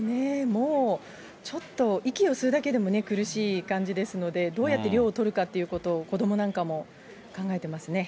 もうちょっと、息を吸うだけでもね、苦しい感じですので、どうやって涼をとるかということを子どもなんかも考えてますね。